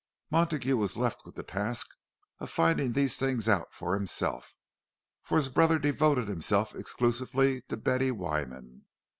Montague was left with the task of finding these things out for himself, for his brother devoted himself exclusively to Betty Wyman.